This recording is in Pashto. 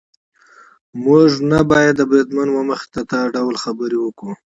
موږ نه باید د بریدمن وه مخې ته دا ډول خبرې وکړو.